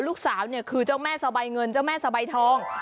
ลูกสาวเนี่ยคือเจ้าแม่สบายเงินเจ้าแม่สบายทอง